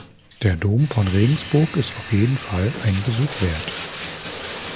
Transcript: Der Dom von Regensburg ist auf jeden Fall einen Besuch wert.